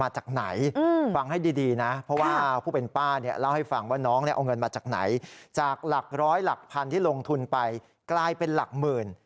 จากหลักร้อยหลักพันที่ลงทุนไปกลายเป็นหลักหมื่น